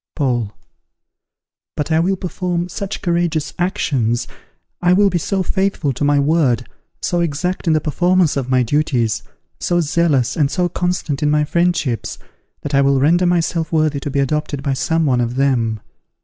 Paul. But I will perform such courageous actions, I will be so faithful to my word, so exact in the performance of my duties, so zealous and so constant in my friendships, that I will render myself worthy to be adopted by some one of them.